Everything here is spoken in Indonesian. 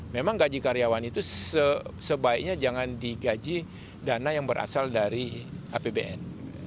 memang gaji karyawan itu sebaiknya jangan digaji dana yang berasal dari apbn